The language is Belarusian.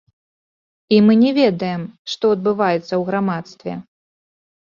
І мы не ведаем, што адбываецца ў грамадстве.